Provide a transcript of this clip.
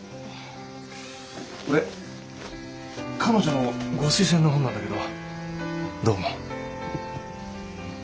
これ彼女のご推薦の本なんだけどどう思う？